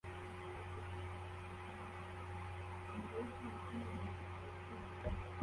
Umugabo usimbuka hagati yumuhanda afite amabendera